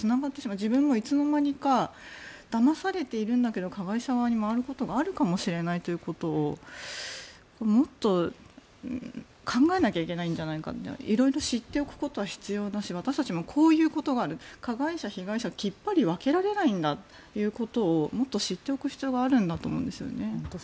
自分がいつの間にかだまされているんだけど加害者側に回ることがあるかもしれないということをもっと考えなきゃいけないんじゃないかみたいな色々知っておくことは必要だし私たちもこういうことがあると加害者、被害者がきっぱり分けられないんだということをもっと知っておく必要があるんだと思うんですね。